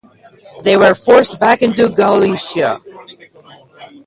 They were forced back into Galicia.